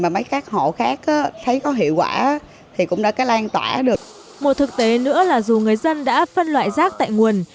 một thực tế nữa là dù người dân đã phân loại rác tại nguồn